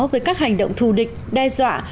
với các hành động thù địch đe dọa